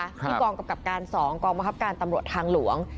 ที่กองกรรมกรรมการ๒กองประคับการตำรวจทางหลวง